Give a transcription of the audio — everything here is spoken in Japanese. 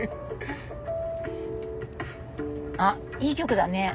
あっいい曲だね。